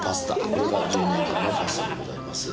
これが『純恋歌』のパスタでございます。